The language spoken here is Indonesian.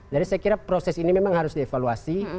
saya kira proses ini memang harus dievaluasi